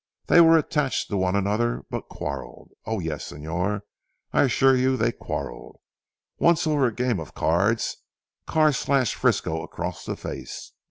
They were attached to one another but quarrelled Oh, yes, Señor I assure you they quarrelled. Once over a game of cards, Carr slashed Frisco across the face."